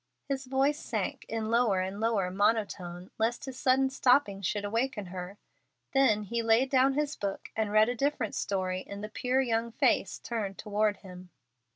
His voice sank in lower and lower monotone lest his sudden stopping should awaken her, then he laid down his book and read a different story in the pure young face turned toward him.